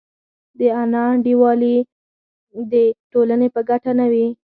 دا نا انډولي د ټولنې په ګټه نه وي.